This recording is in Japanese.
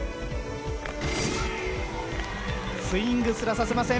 スイングすらさせません。